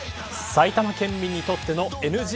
埼玉県民にとってのＮＧ